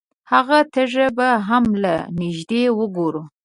هغه تیږه به هم له نږدې وګورو.